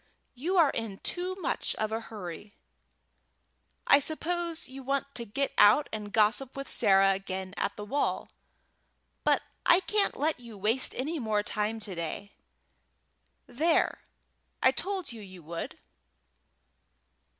"You are in too much of a hurry. I suppose you want to get out and gossip with Sarah again at the wall, but I can't let you waste any more time to day. There, I told you you would!"